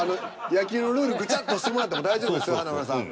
野球のルールグチャッとしてもらっても大丈夫ですよ華丸さん。